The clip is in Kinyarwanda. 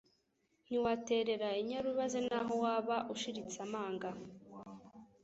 Ntiwaterera inyarubaze, Naho waba ushiritse amanga,